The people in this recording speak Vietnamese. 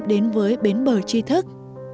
đến với bến bờ tri thức